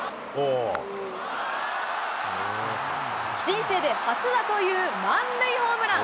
人生で初だという満塁ホームラン。